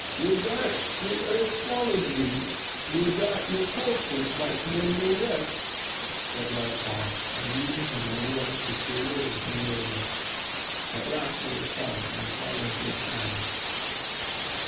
"Would that the earth swallowed you! Would that your corpses might know no rest!" said Lykon, abusing him in a voice which grew lower and lower. At last he was silent and fell into a trance.